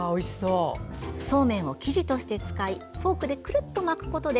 そうめんを生地として使いフォークでくるっと巻くことで